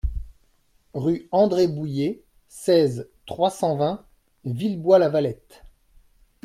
Rue Andre Bouyer, seize, trois cent vingt Villebois-Lavalette